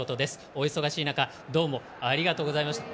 お忙しい中どうもありがとうございました。